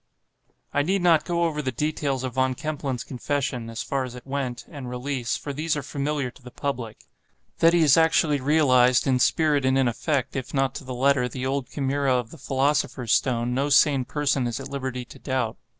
I need not go over the details of Von Kempelen's confession (as far as it went) and release, for these are familiar to the public. That he has actually realized, in spirit and in effect, if not to the letter, the old chimaera of the philosopher's stone, no sane person is at liberty to doubt.